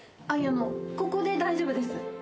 いやあのここで大丈夫です。